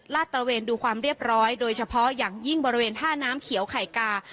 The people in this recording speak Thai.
ตระเวนดูความเรียบร้อยโดยเฉพาะอย่างยิ่งบริเวณท่าน้ำเขียวไข่กา